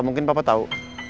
mungkin papa tahu